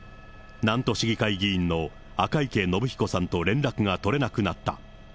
南砺市議会議員の、赤池伸彦さんと連絡が取れなくなった。